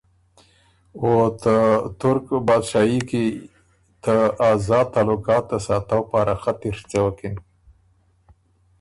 او ته تُرک بادشاهيې کی ته آزاد تعلقات ته ساتؤ پاره خطی ڒیڅوَکِن۔